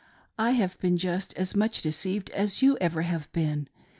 I have been jCist as much deceived as ever you have been.